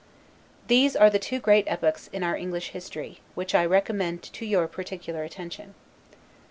These are the two great epochs in our English history, which I recommend to your particular attention.